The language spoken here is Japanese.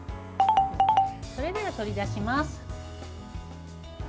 それでは取り出します。